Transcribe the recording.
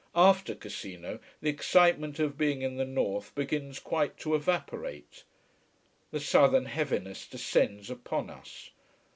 After Cassino the excitement of being in the north begins quite to evaporate. The southern heaviness descends upon us.